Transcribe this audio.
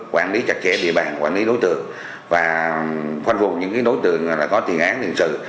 quản lý chặt chẽ địa bàn quản lý đối tượng và phân phục những đối tượng có thiền án liên sự